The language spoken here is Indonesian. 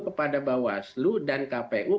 kepada bawaslu dan kpu